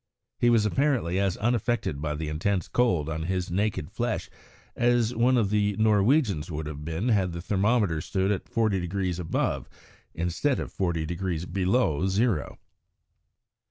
He was apparently as unaffected by the intense cold on his naked flesh as one of the Norwegians would have been had the thermometer stood at forty degrees above instead of forty degrees below zero.